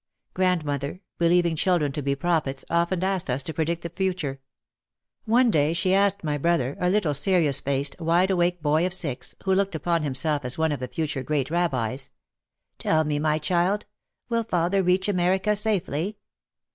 Grand mother, believing children to be prophets, often asked us to predict the future. One day she asked my brother, a little serious faced, wide awake boy of six, who looked upon himself as one of the future great Rabbis, "Tell me, my child, will father reach America safely?"